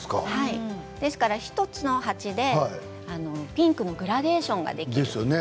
ですから１つの鉢でピンクのグラデーションができる。